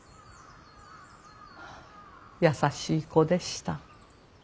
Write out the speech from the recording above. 優しい子でした。